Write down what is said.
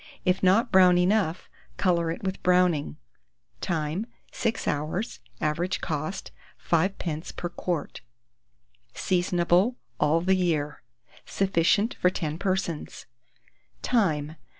If not brown enough, colour it with browning. Time. 6 hours. Average cost, 5d. per quart. Seasonable all the year. Sufficient for 10 persons. THYME.